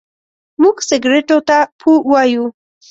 موږ سګرېټو ته پو وايو.